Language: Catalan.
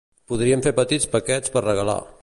Podríem fer petits paquetets per regalar.